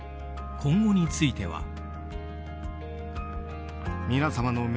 今後については。